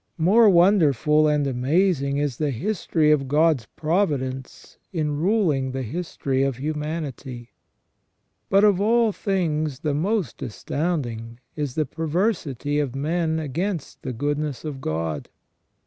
More wonderful and amazing is the history of God's providence in ruling the history of humanity ! But of all CREA TION AND PRO VIDENCE. 1 05 things the most astounding is the perversity of man against the goodness of God.